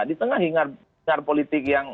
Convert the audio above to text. di tengah hingar politik yang